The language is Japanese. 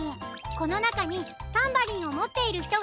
このなかにタンバリンをもっているひとがいるの。